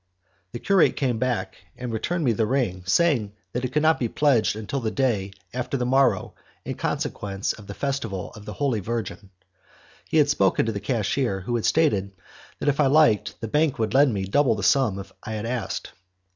The curate came back and returned me the ring, saying that it could not be pledged until the day after the morrow, in consequence of the Festival of the Holy Virgin. He had spoken to the cashier, who had stated that if I liked the bank would lend double the sum I had asked.